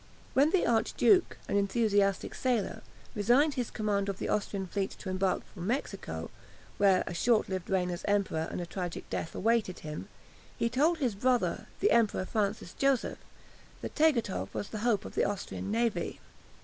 When the Archduke, an enthusiastic sailor, resigned his command of the Austrian fleet to embark for Mexico, where a short lived reign as Emperor and a tragic death awaited him, he told his brother, the Emperor Francis Joseph, that Tegethoff was the hope of the Austrian navy.